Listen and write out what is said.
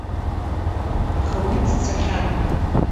Аха уи дцахьан.